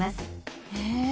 へえ。